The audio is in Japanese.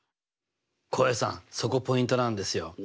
浩平さんそこポイントなんですよ。